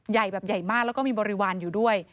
ใหญ่แบบใหญ่มากแล้วก็มีบริวารอยู่ด้วย